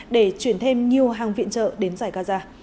để chuyển thêm nhiều hàng viện trợ đến giải gaza